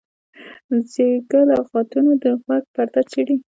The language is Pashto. زیږه لغتونه د غوږ پرده څیري.